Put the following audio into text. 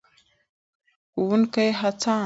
ښوونکي هڅاند دي.